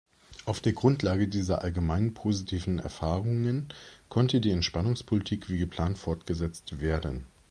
Auf der Grundlage dieser allgemeinen positiven Erfahrungen konnte die Entspannungspolitik, wie geplant, fortgesetzt werden.